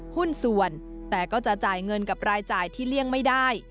หุ้นส่วนแต่ก็จะจ่ายเงินกับรายจ่ายที่เลี่ยงไม่ได้